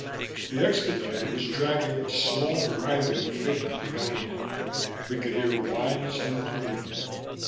The expediter was dragging a small writhing figure behind him; we could hear whines and pleading.